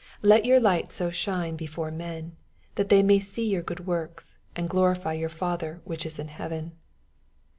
16 Let your light so shine before men, that they may see your food works, and glorify your Father wnioh Is in heaven.